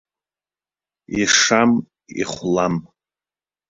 Ишам, ихәлам.